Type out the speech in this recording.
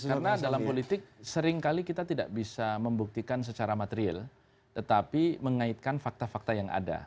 karena dalam politik seringkali kita tidak bisa membuktikan secara materiel tetapi mengaitkan fakta fakta yang ada